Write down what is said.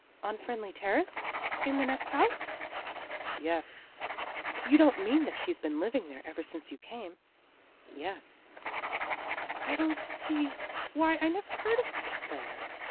" On Friendly Terrace? In the next house? "" Yes." A PATHETIC STORY 247 " You don't mean that she's been living there ever since you came? "" Yes." " I don't see why, I never heard of such a thing."